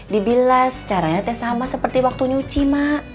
dibilas caranya sama seperti waktu nyuci mak